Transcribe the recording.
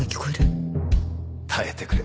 耐えてくれ